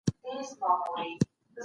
کمپيوټر مېلمانه اکاونټ لري.